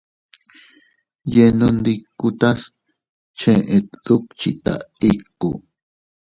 Yenondikutas chet dukchita ikku.